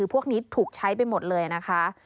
พวกนี้ถูกใช้ไปหมดเลยนะคะ